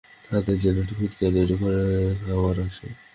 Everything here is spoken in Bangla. তাদের জন্যে টিফিন-ক্যারিয়ারে ঘরের খাবার আসে।